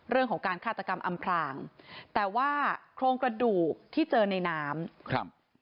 เรื่องของการฆาตกรรมอำพลางแต่ว่าโครงกระดูกที่เจอในน้ำครับ